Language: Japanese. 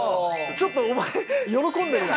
ちょっとお前喜んでるわ。